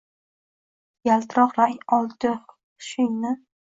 Yaltiroq rang oldi hushingni?